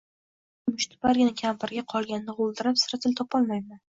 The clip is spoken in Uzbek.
mana shu mushtipargina kampirga qolganda g‘o‘ldirab, sira til topolmayman.